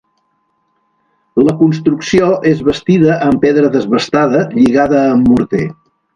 La construcció és bastida amb pedra desbastada, lligada amb morter.